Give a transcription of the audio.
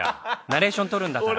ナレーションとるんだから。